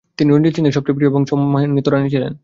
তিনি রঞ্জিত সিংয়ের সবচেয়ে প্রিয় এবং সম্মানিত রানী ছিলেন।